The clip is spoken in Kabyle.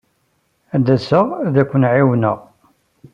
Ad d-asaɣ ad ken-ɛiwneɣ.